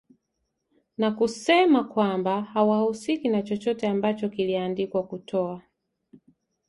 na kusema kwamba hawahusiki na chochote ambacho kiliandikwa kutoa